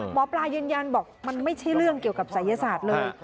หมอปลายืนยันบอกมันไม่ใช่เรื่องเกี่ยวกับศัยศาสตร์เลย